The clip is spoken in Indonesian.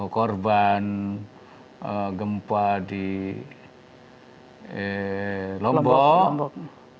korban gempa di lombok